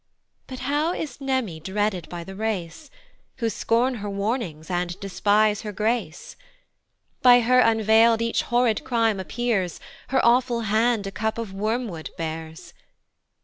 But how is Mneme dreaded by the race, Who scorn her warnings and despise her grace? By her unveil'd each horrid crime appears, Her awful hand a cup of wormwood bears.